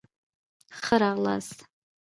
ښه را غلاست